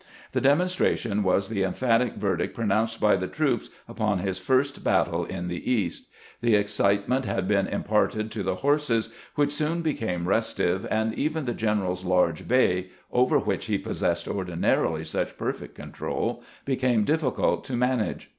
The demonstration was the emphatic verdict pronounced by the troops upon his first battle in the East. The exeitement had been imparted to the horses, which soon became restive, and even the gen eral's large bay, over which he possessed ordinarily such perfect control, became difficult to manage.